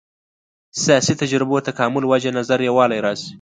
سیاسي تجربو تکامل وجه نظر یووالی راشي.